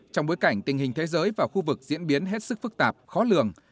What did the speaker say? trong bối cảnh tình hình thế giới và khu vực diễn biến hết sức phức tạp khó lường